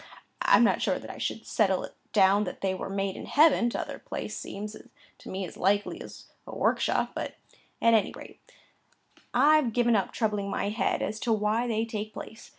I'm not so sure that I should settle it down that they were made in heaven; t'other place seems to me as likely a workshop; but at any rate, I've given up troubling my head as to why they take place.